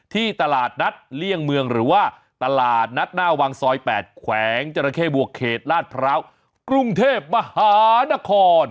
ที่ตลาดนัดเลี่ยงเมืองหรือว่าตลาดนัดหน้าวังซอย๘แขวงจราเข้บวกเขตลาดพร้าวกรุงเทพมหานคร